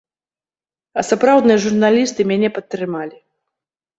А сапраўдныя журналісты мяне падтрымалі.